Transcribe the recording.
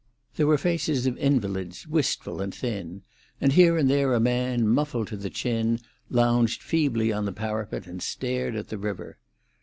There were faces of invalids, wistful and thin, and here and there a man, muffled to the chin, lounged feebly on the parapet and stared at the river.